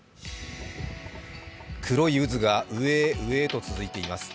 黒い渦が上へ上へと続いています。